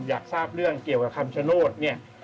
อยากทราบเรื่องเกี่ยวกับคำชโนธเนี่ย